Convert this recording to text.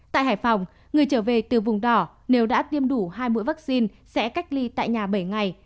tại hải phòng người trở về từ vùng đỏ nếu đã tiêm đủ hai mũi vaccine sẽ cách ly tại nhà bảy ngày